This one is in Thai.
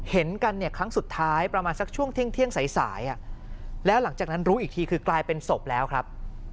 เห็นกันเนี่ยครั้งสุดท้ายประมาณสักช่วงเที่ยงสายแล้วหลังจากนั้นรู้อีกทีคือกลายเป็นศพแล้วครับ